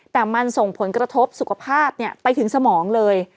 แต่มันส่งผลกระทบสุขภาพไปถึงสมองเลย